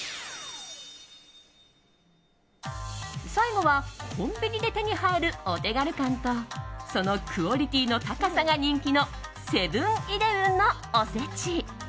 最後はコンビニで手に入るお手軽感とそのクオリティーの高さが人気のセブン‐イレブンのおせち。